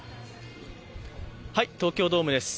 東京ドームです。